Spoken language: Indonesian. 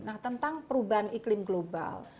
nah tentang perubahan iklim global